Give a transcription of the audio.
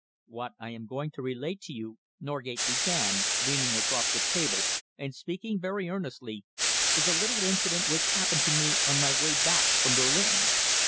"What I am going to relate to you," Norgate began, leaning across the table and speaking very earnestly, "is a little incident which happened to me on my way back from Berlin.